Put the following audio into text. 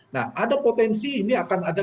nah ada potensi ini akan ada